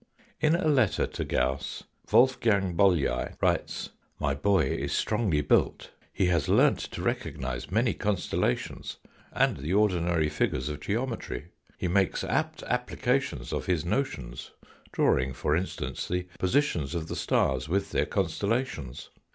In a letter to Gauss Wolfgang Bolyai writes :" My boy is strongly built. He has learned to recognise many constellations, and the ordinary figures of geometry. He makes apt applications of his notions, drawing for instance the positions of the stars with their constellations.